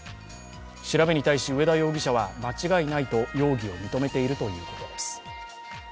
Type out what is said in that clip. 調べに対し、上田容疑者は間違いないと容疑を認めているということです。